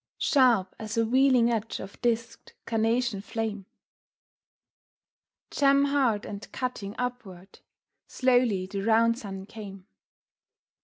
Sharp as a wheeling edge of disked, carnation flame, Gem hard and cutting upward, slowly the round sun came.